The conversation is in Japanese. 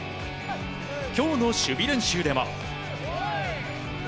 今日の守備練習では。